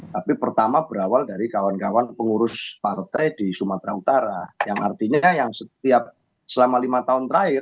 tapi pertama berawal dari kawan kawan pengurus partai di sumatera utara yang artinya yang setiap selama lima tahun terakhir